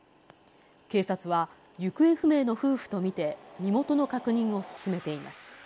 警察は、行方不明の夫婦と見て、身元の確認を進めています。